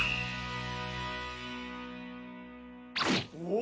お！